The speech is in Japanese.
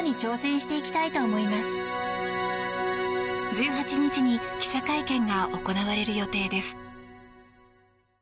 １８日に記者会見が行われる予定です。